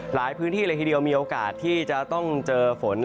หลายพื้นที่เลยทีเดียวมีโอกาสที่จะต้องเจอฝน